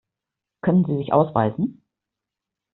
Können Sie sich ausweisen?